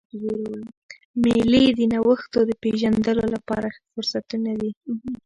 مېلې د نوښتو د پېژندلو له پاره ښه فرصتونه دي.